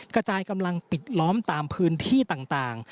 กระจายกำลังปิดล้อมตามพื้นที่ต่าง